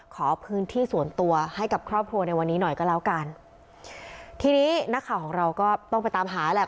ขอพื้นที่ส่วนตัวให้กับครอบครัวในวันนี้หน่อยก็แล้วกันทีนี้นักข่าวของเราก็ต้องไปตามหาแหละ